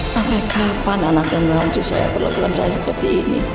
sampai kapan anak yang menghancur saya perlu melakukan saya seperti ini